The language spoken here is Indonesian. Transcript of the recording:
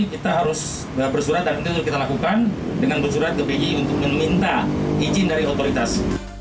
kita harus bersurat dan itu sudah kita lakukan dengan bersurat ke bi untuk meminta izin dari otoritas